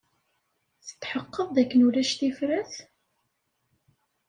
Tetḥeqqeḍ dakken ulac tifrat?